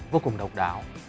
vô cùng độc đáo